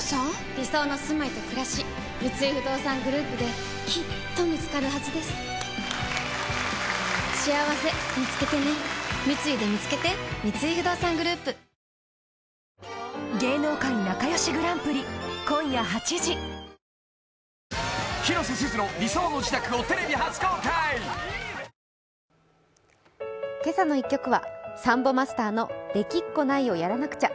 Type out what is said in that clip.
理想のすまいとくらし三井不動産グループできっと見つかるはずですしあわせみつけてね三井でみつけて「けさの１曲」はサンボマスターの「できっこないをやらなくちゃ」。